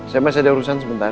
saya masih ada urusan sebentar